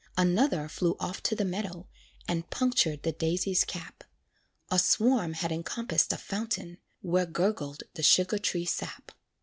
Another flew off to the meadow, And punctured the daisy's cap; A swarm had encompassed a fountain, Where gurgled the sugar tree sap.